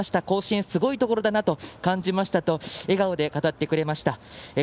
甲子園すごいところだなと感じましたと笑顔で語ってくれました。